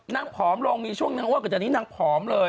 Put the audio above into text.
นางผอมลงมีช่วงนางว่ามีนางผอมเลย